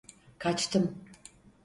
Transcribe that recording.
Kaçtım.